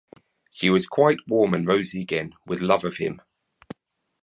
She was quite warm and rosy again with love of him.